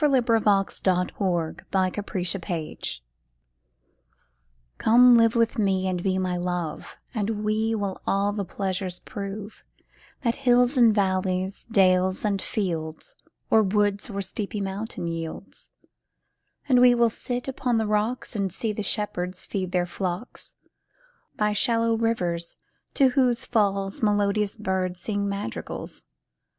638. THE PASSIONATE SHEPHERD TO HIS *LOVE COME live with me and be my love, And we will all the pleasures prove That hills and valleys, dale and field, And all the craggy mountains yield. There will we sit upon the rocks And see the shepherds feed their flocks, By shallow rivers, to whose falls Melodious birds sing madrigals.